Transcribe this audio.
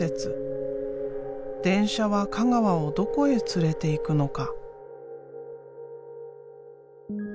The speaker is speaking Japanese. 電車は香川をどこへ連れていくのか？